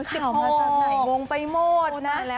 ไม่เหมือนจะใหม่มงไปหมดนะ